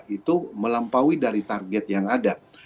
itu melampaui dari target yang ada